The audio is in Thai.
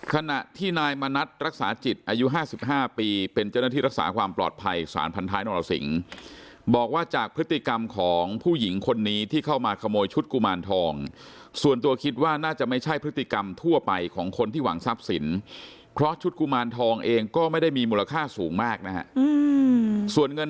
ขณะที่นายมณัฐรักษาจิตอายุ๕๕ปีเป็นเจ้าหน้าที่รักษาความปลอดภัยสารพันท้ายนรสิงบอกว่าจากพฤติกรรมของผู้หญิงคนนี้ที่เข้ามาขโมยชุดกุมารทองส่วนตัวคิดว่าน่าจะไม่ใช่พฤติกรรมทั่วไปของคนที่หวังทรัพย์สินเพราะชุดกุมารทองเองก็ไม่ได้มีมูลค่าสูงมากนะฮะส่วนเงิน